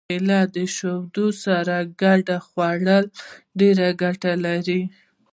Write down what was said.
کېله د شیدو سره ګډه خوړل ډېره ګټه لري.